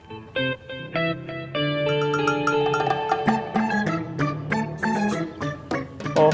suara sedang bergantung